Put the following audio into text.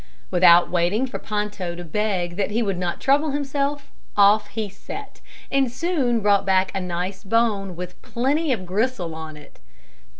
Without waiting for Ponto to beg that he would not trouble himself, off he set, and soon brought back a nice bone with plenty of gristle on it.